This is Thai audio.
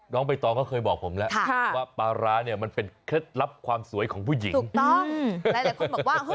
น้องประึกต้องก็เคยบอกผมแล้วว่าปลาร้าจะเป็นเคล็ดลับความสวยของผู้หญิง